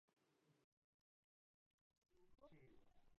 او کله بیا پر منفي تمایل اوړي.